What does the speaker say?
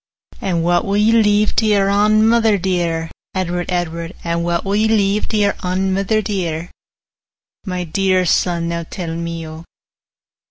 'And what will ye leave to your ain mither dear, Edward, Edward? 50 And what will ye leave to your ain mither dear, My dear son, now tell me, O?